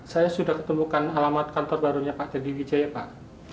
saya sudah ketemukan alamat kantor barunya pak deddy wijaya pak